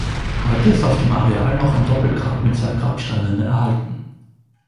Heute ist auf dem Areal noch ein Doppelgrab mit zwei Grabsteinen erhalten.